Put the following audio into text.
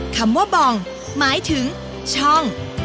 คำว่าบองหมายถึงช่อง